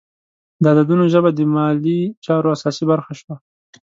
د عددونو ژبه د مالي چارو اساسي برخه شوه.